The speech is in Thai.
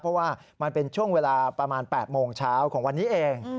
เพราะว่ามันเป็นช่วงเวลาประมาณ๘โมงเช้าของวันนี้เอง